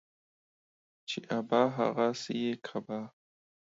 چي ابا ، هغه سي يې کبا.